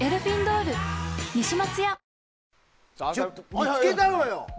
見つけたのよ。